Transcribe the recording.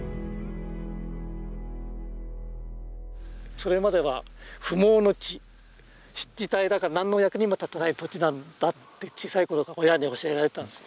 それまでは不毛の地湿地帯だから何の役にも立たない土地なんだって小さい頃から親に教えられてたんですよ。